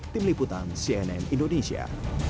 tim liputan cnn indonesia